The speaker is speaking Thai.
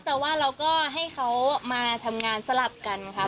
แต่ว่าเราก็ให้เขามาทำงานสลับกันค่ะ